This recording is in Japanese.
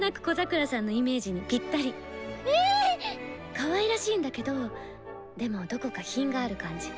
かわいらしいんだけどでもどこか品がある感じ。